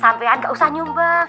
sampai gak usah nyumbang